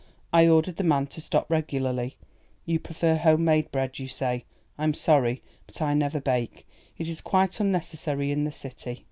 I ordered the man to stop regularly. You prefer home made bread, you say? I'm sorry, but I never bake. It is quite unnecessary in the city."